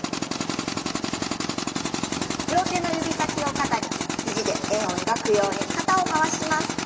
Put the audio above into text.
両手の指先を肩に肘で円を描くように肩を回します。